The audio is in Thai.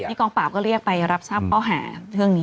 กองปราบก็เรียกไปรับทราบข้อหาเรื่องนี้